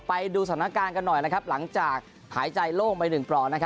ไปดูสถานการณ์กันหน่อยหลังจากหายใจโล่งไป๑ปลอก